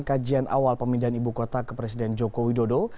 kajian awal pemindahan ibu kota ke presiden joko widodo